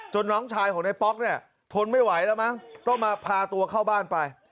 น้องชายของนายป๊อกเนี่ยทนไม่ไหวแล้วมั้งต้องมาพาตัวเข้าบ้านไป